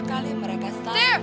kau lihat tuh terry